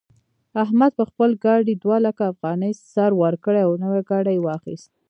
احمد په خپل ګاډي دوه لکه افغانۍ سر ورکړې او نوی ګاډی يې واخيست.